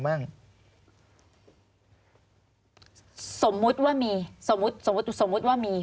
สมมติว่ามี